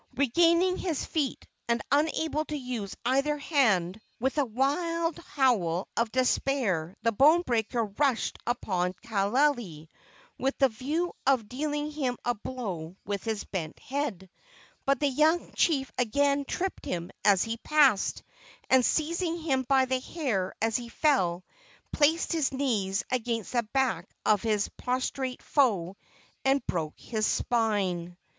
Regaining his feet, and unable to use either hand, with a wild howl of despair the bone breaker rushed upon Kaaialii, with the view of dealing him a blow with his bent head; but the young chief again tripped him as he passed, and, seizing him by the hair as he fell, placed his knees against the back of his prostrate foe and broke his spine.